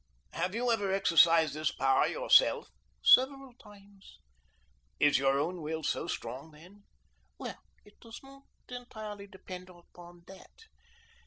"Have you ever exercised this power yourself?" "Several times." "Is your own will so strong, then?" "Well, it does not entirely depend upon that.